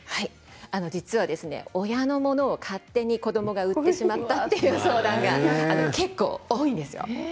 実は親の物を子どもが勝手に売ってしまったという相談が結構多いんですよ。